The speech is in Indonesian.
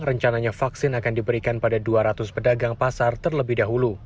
rencananya vaksin akan diberikan pada dua ratus pedagang pasar terlebih dahulu